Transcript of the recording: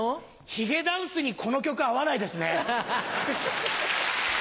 ヒゲダンスにこの曲合わないですね。